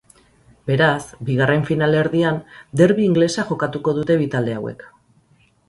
Beraz, bigarren finalerdian derbi ingelesa jokatuko dute bi talde hauek.